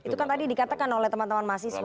itu kan tadi dikatakan oleh teman teman mahasiswa